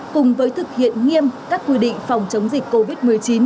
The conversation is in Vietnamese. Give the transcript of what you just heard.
cùng với thực hiện nghiêm các quy định phòng chống dịch covid một mươi chín